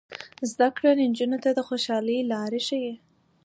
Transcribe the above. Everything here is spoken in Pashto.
زده کړه نجونو ته د خوشحالۍ لارې ښيي.